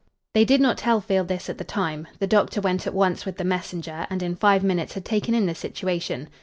They did not tell Field this at the time. The doctor went at once with the messenger, and in five minutes had taken in the situation.